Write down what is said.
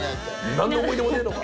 何の思い出もねえのか。